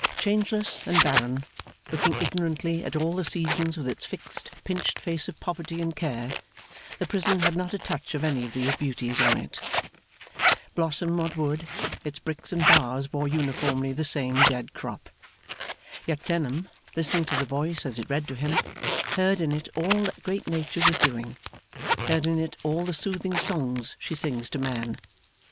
Changeless and barren, looking ignorantly at all the seasons with its fixed, pinched face of poverty and care, the prison had not a touch of any of these beauties on it. Blossom what would, its bricks and bars bore uniformly the same dead crop. Yet Clennam, listening to the voice as it read to him, heard in it all that great Nature was doing, heard in it all the soothing songs she sings to man.